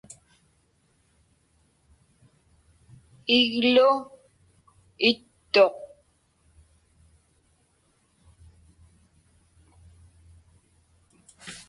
Iglu ittuq.